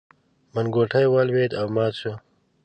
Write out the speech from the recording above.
منګوټی ولوېد او مات شو.